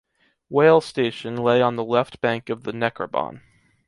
“Weil” station lay on the left bank of the Neckarbahn.